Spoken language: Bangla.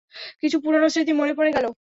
কিছু পুরনো স্মৃতি মনে পড়ে গেল।